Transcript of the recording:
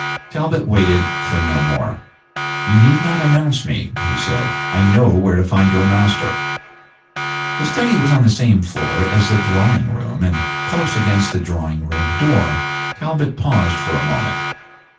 Talbot waited for no more. "You need not announce me," he said; "I know where to find your master." The study was on the same floor as the drawing room, and close against the drawing room door Talbot paused for a moment.